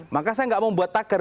maka saya gak mau membuat tagar